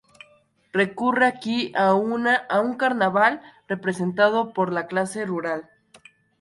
Recurre aquí a un carnaval representado por la clase rural.